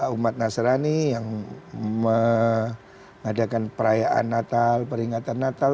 umat nasrani yang mengadakan perayaan natal peringatan natal